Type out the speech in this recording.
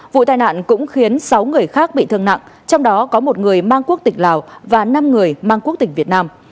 vụ tai nạn cũng khiến sáu người khác bị thương nặng trong đó có một người mang quốc tịch lào và năm người mang quốc tịch việt nam